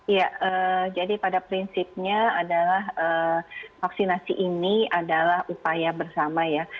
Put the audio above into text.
ya jadi pada prinsipnya adalah vaksinasi ini adalah upaya bersama ya